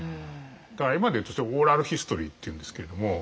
だから今でいうとオーラルヒストリーっていうんですけれども。